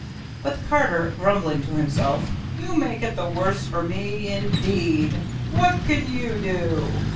But the carter, grumbling to himself, 'You make it the worse for me, indeed! what can you do?